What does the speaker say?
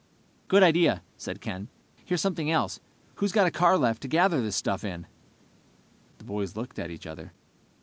"Good idea," said Ken. "Here's something else: Who's got a car left to gather this stuff in?" The boys looked at each other.